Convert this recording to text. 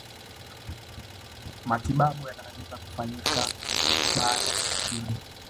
matibabu yanaweza kufanyika baada ya vipimo